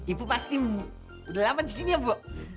ibu pasti udah lama di sini ya bu